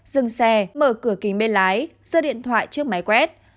dừng xe mở cửa kính bên lái rơi điện thoại trước máy quét